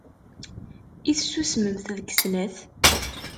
I tessusmemt deg snat?